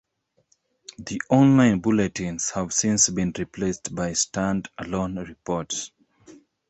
The online bulletins have since been replaced by stand-alone reports.